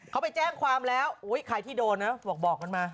เขาไปแจ้งความแล้วใครที่โดนนะบอกกันมา